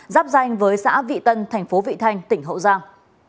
giáp danh với xã vị tân thành phố vị thanh tỉnh hậu giang